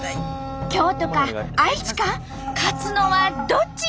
京都か愛知か勝つのはどっち！？